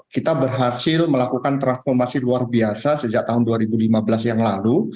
kita berhasil melakukan transformasi luar biasa sejak tahun dua ribu lima belas yang lalu